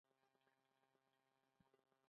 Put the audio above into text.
څه جوړوئ شی؟